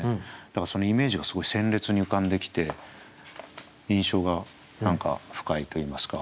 だからそのイメージがすごい鮮烈に浮かんできて印象が何か深いといいますか。